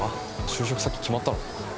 就職先決まったの？